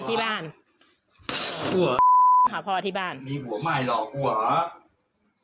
ที่บ้านหัวใหม่หลอกกูหรอที่บ้านหัวพอที่บ้านมีหัวใหม่หลอกกูหรอ